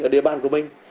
ở địa bàn của mình